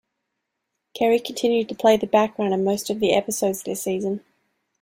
Kerry continued to play the background in most of the episodes this season.